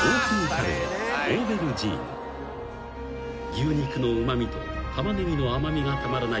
［牛肉のうま味とタマネギの甘味がたまらない